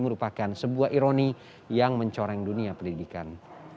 merupakan sebuah ironi yang mencoreng dunia pendidikan